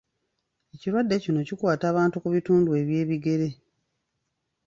Ekirwadde kino kikwata bantu ku bitundu eby’ebigere.